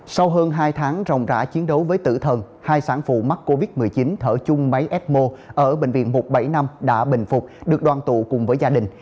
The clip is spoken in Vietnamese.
sau hơn hai tháng rồng rã chiến đấu với tử thần hai sản phụ mắc covid một mươi chín thở chung máy ecmo ở bệnh viện một trăm bảy mươi năm đã bình phục được đoàn tụ cùng với gia đình